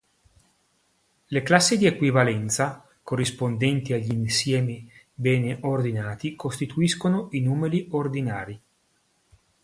Le classi di equivalenza corrispondenti agli insieme bene ordinati costituiscono i numeri ordinali.